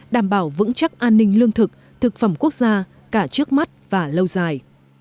đảm bảo vững chắc an ninh lương thực thực phẩm quốc gia cả trước mắt và lâu dài